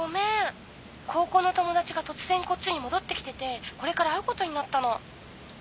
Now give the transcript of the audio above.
高校の友達が突然こっちに戻ってきててこれから会うことになったの。